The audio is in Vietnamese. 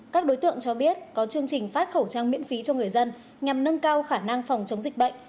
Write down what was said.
các đối tượng cho biết có chương trình phát khẩu trang miễn phí cho người dân nhằm nâng cao khả năng phòng chống dịch bệnh